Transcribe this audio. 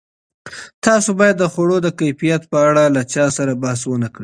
تاسو باید د خوړو د کیفیت په اړه له چا سره بحث ونه کړئ.